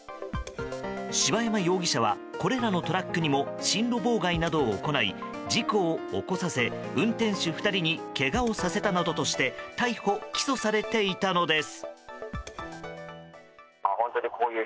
柴山容疑者はこれらのトラックにも進路妨害などを行い事故を起こさせ運転手２人にけがをさせたなどとして逮捕・起訴されていたのです。